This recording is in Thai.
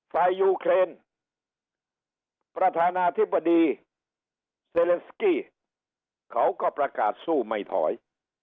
ยูเครนประธานาธิบดีเซเลนสกี้เขาก็ประกาศสู้ไม่ถอย